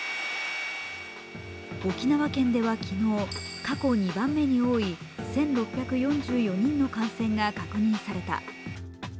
沖縄県では昨日、過去２番目に多い１６４４人の感染が確認された。